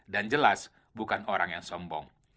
dan jelas bukan orang yang sombong